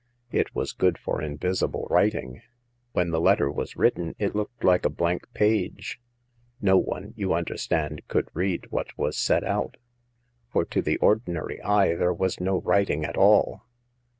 " It was good for invisible writing. When the letter was written, it looked like a blank page. No one, you understand, could read what was set out, for to the ordinary eye there was no writing at all."